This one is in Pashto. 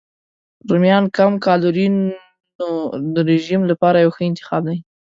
رومیان کم کالوري نو د رژیم لپاره یو ښه انتخاب دی.